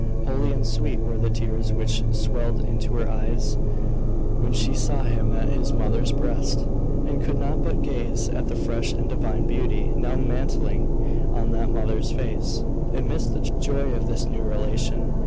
Holy and sweet were the tears which swelled into her eyes when she saw him at his mother's breast, and could not but gaze at the fresh and divine beauty now mantling on that mother's face, amidst the joy of this new relation.